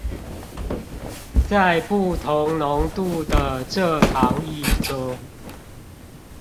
在不同濃度的蔗糖液中